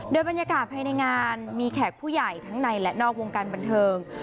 โดยบรรยากาศภายในงานมีแขกผู้ใหญ่ทั้งในและนอกวงการบันเทิง